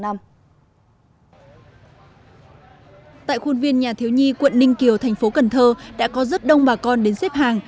tại khuôn viên nhà thiếu nhi quận ninh kiều thành phố cần thơ đã có rất đông bà con đến xếp hàng